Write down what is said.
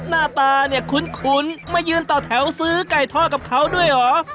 หน้าตาเนี่ยคุ้นมายืนต่อแถวซื้อไก่ทอดกับเขาด้วยเหรอ